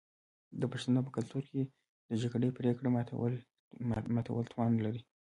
د پښتنو په کلتور کې د جرګې پریکړه ماتول تاوان لري.